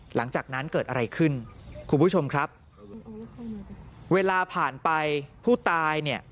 หลังจากนั้นเกิดอะไรขึ้นคุณผู้ชมครับเวลาผ่านไปผู้ตายเนี่ย